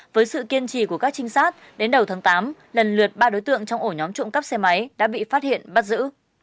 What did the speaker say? với sự kiên trì của các trinh sát đến đầu tháng tám lần lượt ba đối tượng trong ổ nhóm trộm cắp xe máy đã bị phát hiện bắt giữ